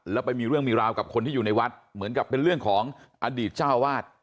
แล้วไปมีเรื่องมีราวกับคนที่อยู่ในวัดเหมือนกับเป็นเรื่องของอดีตเจ้าวาด